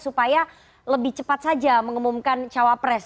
supaya lebih cepat saja mengumumkan cawapres